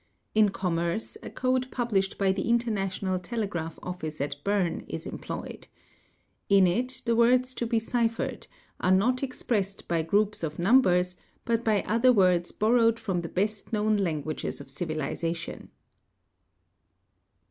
In commerce, a code published by the International Telegraph Office at Berne is employed. In it the words to be ciphered are not expressed by groups of numbers but by other — words borrowed from the best known languages of civilization.